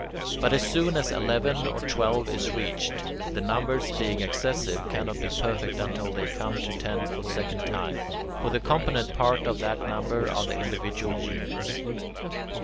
But as soon as eleven or twelve is reached, the numbers, being excessive, cannot be perfect until they come to ten for the second time; for the component parts of that number are the individual units.